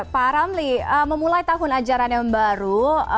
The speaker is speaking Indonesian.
pak ramli memulai tahun ajaran yang baru